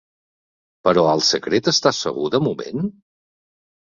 Però el secret està segur de moment?